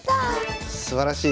すばらしい！